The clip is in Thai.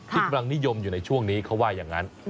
กำลังนิยมอยู่ในช่วงนี้เขาว่าอย่างนั้น